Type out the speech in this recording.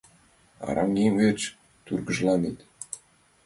— Арам еҥ верч тургыжланет.